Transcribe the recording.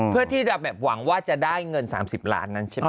เพื่อที่จะแบบหวังว่าจะได้เงิน๓๐ล้านนั้นใช่ไหม